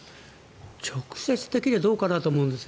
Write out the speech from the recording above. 直接的にはどうかなと思うんです。